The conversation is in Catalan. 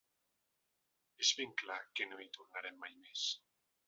És ben clar que no hi tornarem mai més.